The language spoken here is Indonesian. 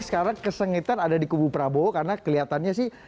sekarang kesengitan ada di kubu prabowo karena kelihatannya sih